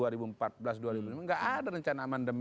tidak ada rencana aman demand